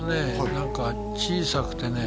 何か小さくてね